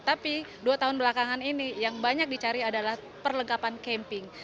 tapi dua tahun belakangan ini yang banyak dicari adalah perlengkapan camping